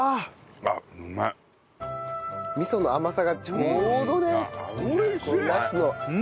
味噌の甘さがちょうどねこのナスの。